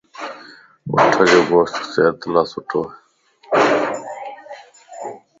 اُٺَ جو گوشت صحت لا سٺو ائي.